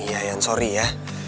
iya ian sorry ya